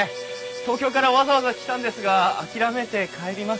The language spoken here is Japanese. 東京からわざわざ来たんですが諦めて帰ります。